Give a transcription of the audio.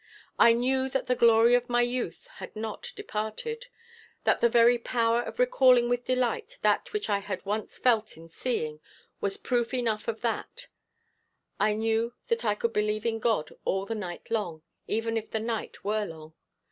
I knew that the glory of my youth had not departed, that the very power of recalling with delight that which I had once felt in seeing, was proof enough of that; I knew that I could believe in God all the night long, even if the night were long.